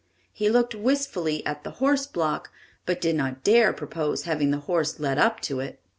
He looked wistfully at the horse block, but did not dare propose having the horse led up to it.